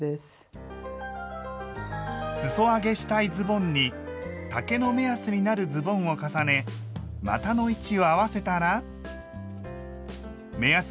すそ上げしたいズボンに丈の目安になるズボンを重ね股の位置を合わせたら。